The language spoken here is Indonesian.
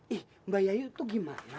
ihh mbak yayu tuh gimana